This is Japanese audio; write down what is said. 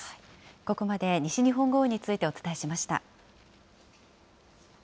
ここまで西日本豪雨についてお伝えしました。